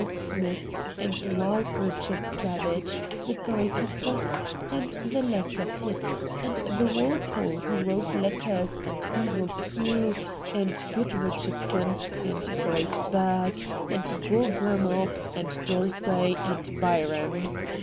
I. H 98 RED DIAMONDS smith, and wild Eichard Savage, the greater Fox, and the lesser Pitt, and the Walpole who wrote letters, and evil ' Q,' and good Eichard son, and great Burke, and Beau Brummell, and D'Orsay and Byron.